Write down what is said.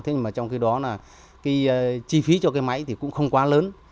thế nhưng mà trong khi đó là cái chi phí cho cái máy thì cũng không quá lớn